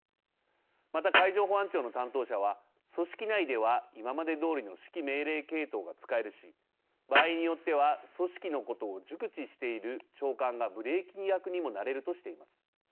また、海上保安庁の担当者は組織内では今までどおりの指揮命令系統が使えるし場合によっては組織のことを熟知している長官がブレーキ役にもなれるとしています。